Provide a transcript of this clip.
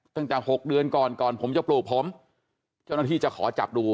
ตั้งแต่๖เดือนก่อนก่อนผมจะปลูกผมเจ้าหน้าที่จะขอจับดู